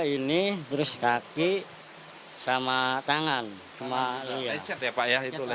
ini terus kaki sama tangan sama ecet ya pak ya